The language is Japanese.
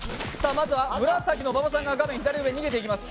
まずは紫の馬場さんが画面左上に逃げていきます。